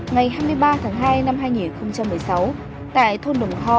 ngày hai mươi ba tháng hai năm hai nghìn một mươi sáu tại thôn đồng kho